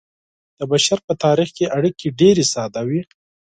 د بشر په تاریخ کې اړیکې ډیرې ساده وې.